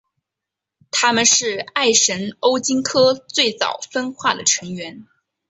它们是艾什欧鲸科最早分化的成员。